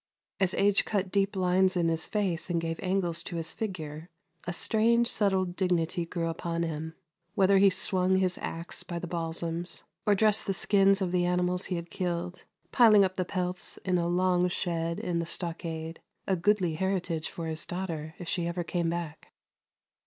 As age cut deep lines in his face and gave angles to his figure, a strange, settled dignity grew upon him, whether he swung his axe by the balsams or dressed the skins of the animals he had! 340 THE LANE THAT HAD NO TURNING killed, piling up the pelts in a long shed in the stockade, a goodly heritage for his daughter, if she ever came back.